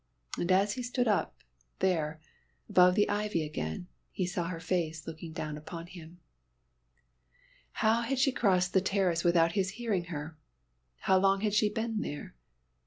And as he stood up, there, above the ivy again, he saw her face looking down upon him. How had she crossed the terrace without his hearing her? How long had she been there?